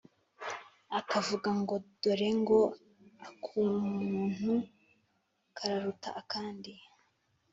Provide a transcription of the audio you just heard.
akavuga ngo «dore ngo ak'umuntu kararuta akandi!